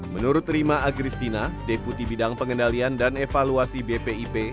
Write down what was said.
menurut rima agristina deputi bidang pengendalian dan evaluasi bpip